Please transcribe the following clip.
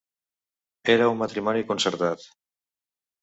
Era un matrimoni concertat.